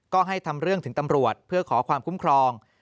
ก็ให้ทำเรื่องถึงตำรวจเพื่อขอความคุ้มครอง